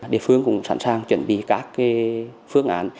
địa phương cũng sẵn sàng chuẩn bị các phương án